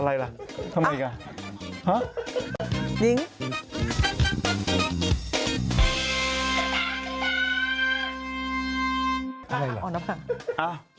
อะไรล่ะทำไมอ่ะฮะ